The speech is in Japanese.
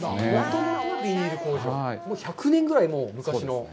もう１００年ぐらい昔の？